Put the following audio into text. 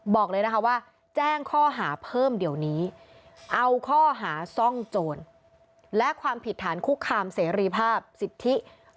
บอกเลยนะคะว่าแจ้งข้อหาเพิ่มเดี๋ยวนี้เอาข้อหาซ่องโจรและความผิดฐานคุกคามเสรีภาพสิทธิ